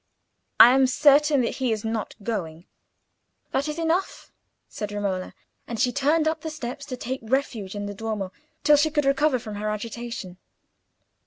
"I am certain that he is not going." "That is enough," said Romola, and she turned up the steps, to take refuge in the Duomo, till she could recover from her agitation.